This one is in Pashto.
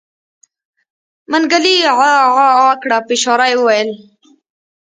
منګلي عاعاعا کړ په اشاره يې وويل.